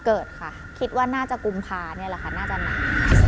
เกิดค่ะคิดว่าน่าจะกุมภานี่แหละค่ะน่าจะหนัก